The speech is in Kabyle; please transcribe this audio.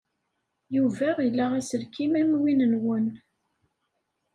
Yuba ila aselkim am win-nwen.